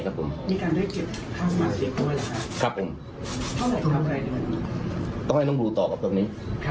ครับผมต้องให้ต้องดูต่อกับตรงนี้ครับ